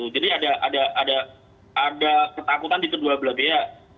jadi ada ketakutan di kedua belah belah